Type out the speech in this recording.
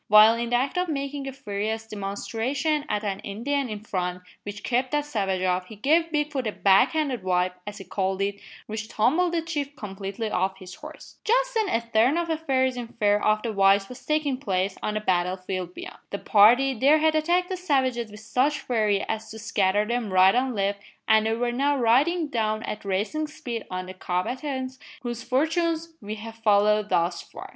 While in the act of making a furious demonstration at an Indian in front, which kept that savage off, he gave Bigfoot a "back handed wipe," as he called it, which tumbled the chief completely off his horse. Just then a turn of affairs in favour of the whites was taking place on the battle field beyond. The party there had attacked the savages with such fury as to scatter them right and left and they were now riding down at racing speed on the combatants, whose fortunes we have followed thus far.